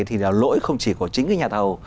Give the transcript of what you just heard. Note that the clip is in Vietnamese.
thì là lỗi không chỉ của chính cái nhà thầu